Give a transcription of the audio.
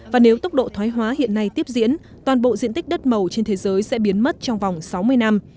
và nếu tốc độ thoái hóa hiện nay tiếp diễn toàn bộ diện tích đất màu trên thế giới sẽ biến mất trong vòng sáu mươi năm